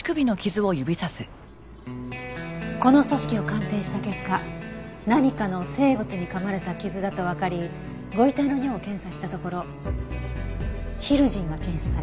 この組織を鑑定した結果何かの生物に噛まれた傷だとわかりご遺体の尿を検査したところヒルジンが検出されました。